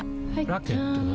ラケットは？